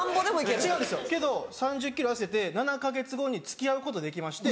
違うんですよけど３０ｋｇ痩せて７か月後に付き合うことできまして。